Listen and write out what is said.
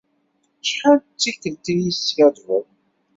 Acḥal d tikelt i yi-d-teskaddbeḍ?